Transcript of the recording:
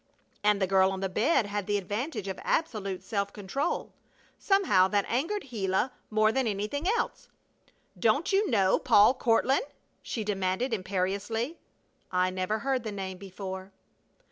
And the girl on the bed had the advantage of absolute self control. Somehow that angered Gila more than anything else. "Don't you know Paul Courtland?" she demanded, imperiously. "I never heard the name before!"